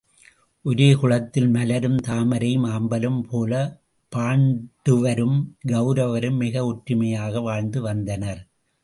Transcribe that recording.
ஒரே குளத்தில் மலரும் தாமரையும் ஆம்பலும் போலப் பாண்ட வரும் கவுரவரும் மிக ஒற்றுமையாக வாழ்ந்து வந்தனர்.